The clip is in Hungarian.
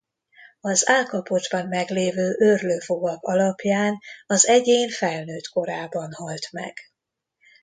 Az állkapocsban meglévő őrlőfogak alapján az egyén felnőtt korában halt meg.